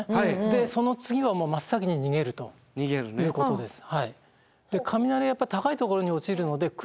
でその次は真っ先に逃げるということです。